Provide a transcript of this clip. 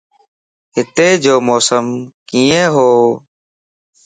ھتي جو موسم ڪيئن ھو؟